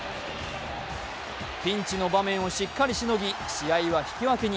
ピンチの場面をしっかりしのぎ試合は引き分けに。